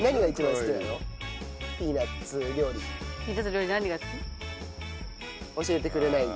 ピーナツ料理何が好き？